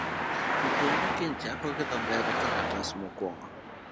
Jopuonjre kiny chako gi dho ngere kalatas mokwongo.